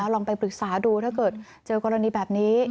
ลองไปปรึกษาดูถ้าเกิดเจอกรณีแบบนี้